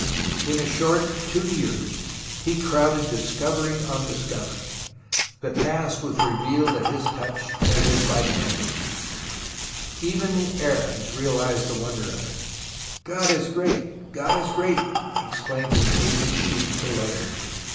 In a short two years he crowded discovery on discovery. The past was revealed at his touch as if by magic. Even the Arabs realized the wonder of it. " God is great ! God is great !" exclaimed an aged sheik to Layard.